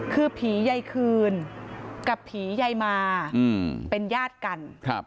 คือผีใยคืนกับผียายมาเป็นญาติกัน